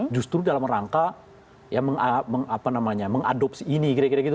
justru dalam rangka mengadopsi ini